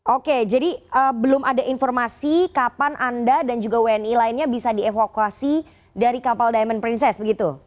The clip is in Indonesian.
oke jadi belum ada informasi kapan anda dan juga wni lainnya bisa dievakuasi dari kapal diamond princess begitu